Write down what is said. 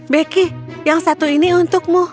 beki yang satu ini untukmu